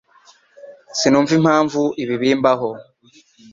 Sinumva impamvu ibi bimbaho.